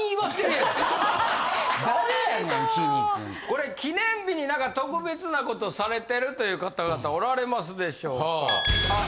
これ記念日に何か特別なことされてるという方々おられますでしょうか？